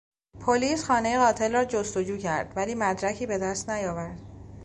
پلیس خانهی قاتل را جستجو کرد ولی مدرکی به دست نیاورد.